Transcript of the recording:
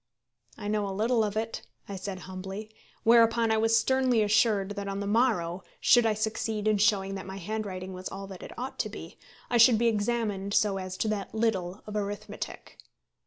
"I know a little of it," I said humbly, whereupon I was sternly assured that on the morrow, should I succeed in showing that my handwriting was all that it ought to be, I should be examined as to that little of arithmetic.